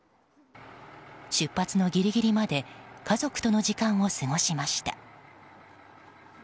出発のギリギリまで家族との時間を過ごしました。